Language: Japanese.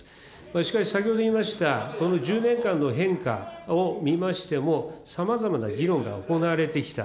しかし、先ほど言いました、この１０年間の変化を見ましても、さまざまな議論が行われてきた。